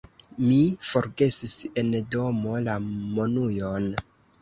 Mi forgesis en domo la monujon.